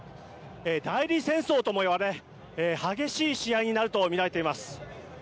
代理戦争ともいわれ激しい試合になると見られています。